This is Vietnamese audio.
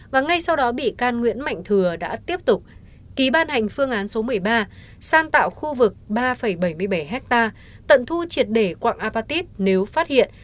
và ngay sau đó bị can nguyễn mạnh thừa đã tiếp tục ký ban hành phương án số một mươi ba sang tạo khu vực ba bảy mươi bảy ha tận thu triệt để quạng apatit nếu phát hiện